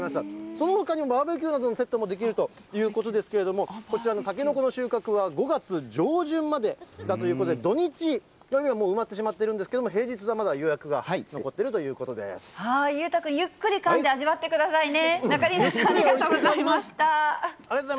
そのほかにバーベキューのセットなどもできるということですけれども、こちらのタケノコの収穫は５月上旬までだということで、土日は埋まってしまっているんですけれども、平日はまだ予約が残裕太君、ゆっくりかんで味わってくださいね。